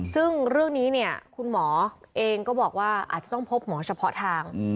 ซึ่งเรื่องนี้เนี่ยคุณหมอเองก็บอกว่าอาจจะต้องพบหมอเฉพาะทาง